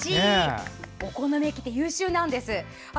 お好み焼きって優秀なんです。